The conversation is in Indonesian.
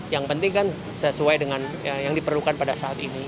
yang penting kan sesuai dengan yang diperlukan pada saat ini